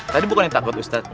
tadi bukan yang takut ustadz